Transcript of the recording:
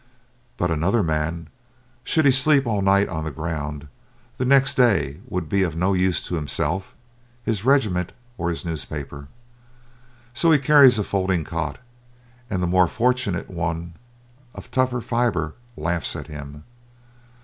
But another man, should he sleep all night on the ground, the next day would be of no use to himself, his regiment, or his newspaper. So he carries a folding cot and the more fortunate one of tougher fibre laughs at him.